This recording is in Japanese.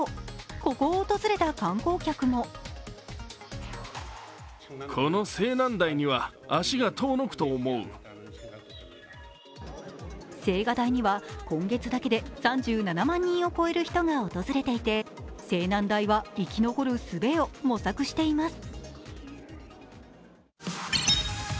ここを訪れた観光客も青瓦台には今月だけで３７万人を超える人が訪れていて青南台は生き残るすべを模索しています。